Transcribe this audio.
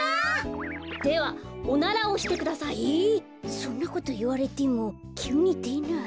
そんなこといわれてもきゅうにでない。